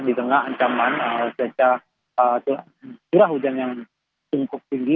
di tengah ancaman curah hujan yang cukup tinggi